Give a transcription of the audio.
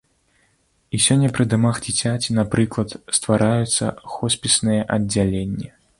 І сёння пры дамах дзіцяці, напрыклад, ствараюцца хоспісныя аддзяленні.